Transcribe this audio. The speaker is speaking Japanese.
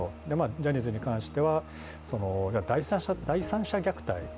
ジャニーズに関しては、第三者虐待。